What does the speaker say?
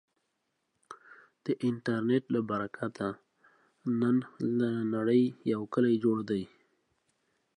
د انټرنټ له برکته، نن له نړې یو کلی جوړ دی.